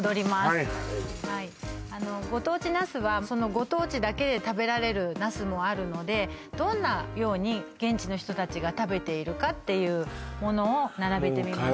はいはいはいあのご当地ナスはそのご当地だけで食べられるナスもあるのでどんなように現地の人たちが食べているかっていうものを並べてみました